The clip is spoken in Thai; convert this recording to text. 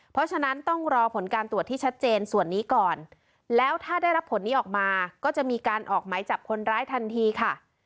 เพราะฉะนั้นต้องรอผลการตรวจที่ชัดเจนส่วนนี้ก่อนแล้วถ้าได้รับผลนี้ออกมาก็จะมีการออกไหมจับคนร้ายทันทีค่ะ